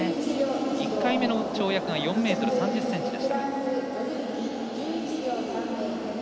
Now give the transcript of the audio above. １回目の跳躍が４ｍ３０ｃｍ。か。